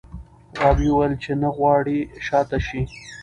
غابي وویل چې نه غواړي شا ته شي.